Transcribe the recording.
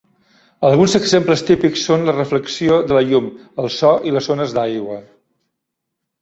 Alguns exemples típics són la reflexió de la llum, el so i les ones d'aigua.